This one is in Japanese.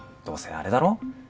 どうせあれだろ？